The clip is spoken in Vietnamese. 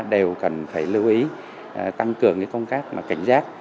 đều cần phải lưu ý tăng cường công tác cảnh giác